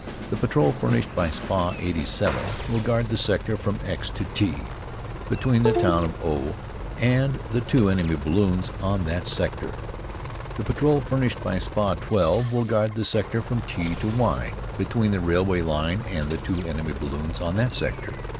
The patrol furnished by Spa. 87 will guard the sector from X to T, between the town of O and the two enemy balloons on that sector. The patrol furnished by Spa. 12 will guard the sector from T to Y, between the railway line and the two enemy balloons on that sector.